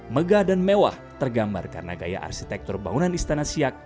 megah dan mewah tergambar karena gaya arsitektur bangunan istana siak